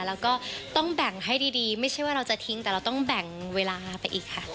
แล้วก็ต้องแบ่งให้ดีไม่ใช่ว่าเราจะทิ้งแต่เราต้องแบ่งเวลาไปอีกค่ะ